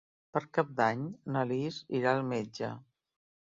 Per Cap d'Any na Lis irà al metge.